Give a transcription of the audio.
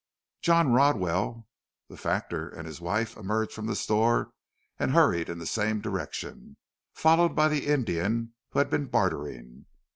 John Rodwell, the factor and his wife, emerged from the store and hurried in the same direction, followed by the Indian who had been bartering.